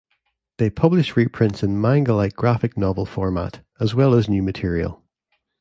They publish reprints in manga-like graphic novel format, as well as new material.